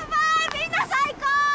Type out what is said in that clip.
みんな最高！